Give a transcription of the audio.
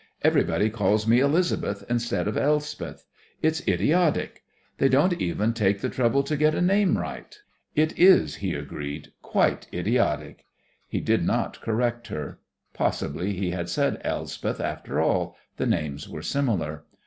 "Everybody calls me Elizabeth instead of Elspeth. It's idiotic. They don't even take the trouble to get a name right." "It is," he agreed. "Quite idiotic." He did not correct her. Possibly he had said Elspeth after all the names were similar.